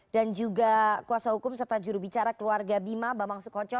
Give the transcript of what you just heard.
dan juga kuasa hukum serta jurubicara keluarga bima bambang sukoco